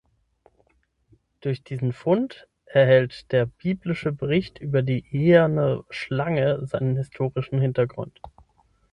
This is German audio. Durch diesen Fund erhält der biblische Bericht über die eherne Schlange seinen historischen Hintergrund.